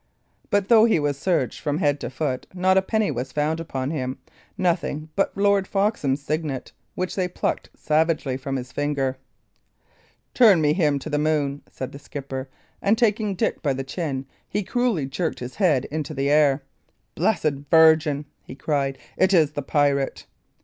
But though he was searched from head to foot, not a penny was found upon him; nothing but Lord Foxham's signet, which they plucked savagely from his finger. "Turn me him to the moon," said the skipper; and taking Dick by the chin, he cruelly jerked his head into the air. "Blessed Virgin!" he cried, "it is the pirate!"